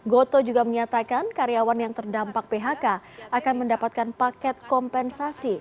gotoh juga menyatakan karyawan yang terdampak phk akan mendapatkan paket kompensasi